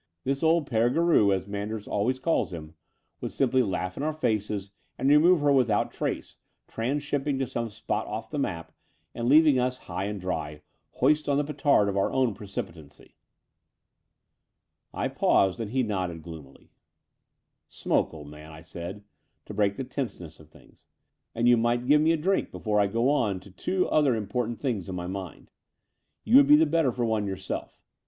This old P6re Garou, as Manders al ways calls him, would simply laugh in our faces and remove her without trace, transhipping to some spot oflf the map, and leaving us high and dry, hoist on the petard of our own precipi tancy." I paused : and he nodded gloomily. Smoke, old man," I said, to break the tenseness of things, * *and you might give me a drink before I go on to two other important things in my mind. You would be the better for one yourself.